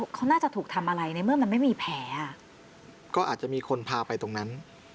เขาน่าจะถูกทำอะไรในเมื่อมันไม่มีแผลอ่ะก็อาจจะมีคนพาไปตรงนั้น